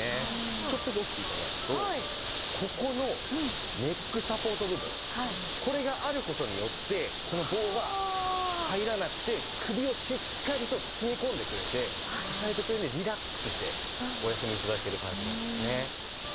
ちょっとだけ起きて頂くとここのネックサポート部分これがある事によってこの棒が入らなくて首をしっかりと包み込んでくれて支えてくれるのでリラックスしてお休み頂ける感じなんですね。